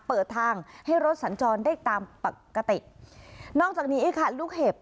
เปิดทางให้รถสัญจรได้ตามปกตินอกจากนี้ค่ะลูกเห็บ